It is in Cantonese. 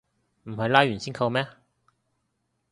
唔係拉完先扣咩